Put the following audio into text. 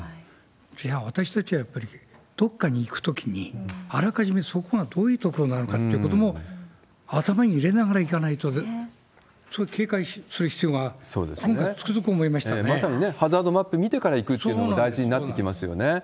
そりゃ、私たちはやっぱりどっかに行くときに、あらかじめそこがどういう所なのかっていうことも頭に入れながら行かないと、それ、警戒する必要が、まさにね、ハザードマップ見てから行くというのも大事になってきますよね。